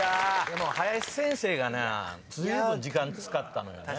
でも林先生がなずいぶん時間使ったのよね。